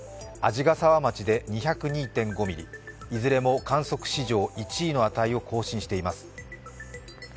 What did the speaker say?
鰺ヶ沢町で２０２．５ミリ、いずれも観測史上１位の値を更新しています。